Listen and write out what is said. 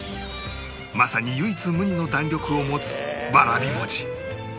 まさに唯一無二の弾力を持つわらび餅